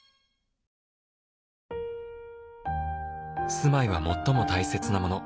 「住まいは最も大切なもの」